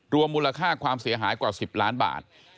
มูลค่าความเสียหายกว่า๑๐ล้านบาท